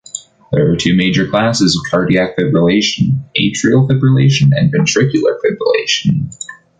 There are two major classes of cardiac fibrillation: atrial fibrillation and ventricular fibrillation.